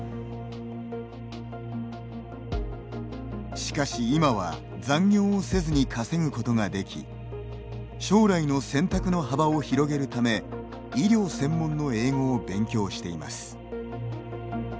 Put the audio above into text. しかし今は残業をせずに稼ぐことができ将来の選択の幅を広げるため医療専門の英語を勉強しています。